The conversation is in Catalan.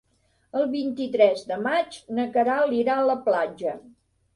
El vint-i-tres de maig na Queralt irà a la platja.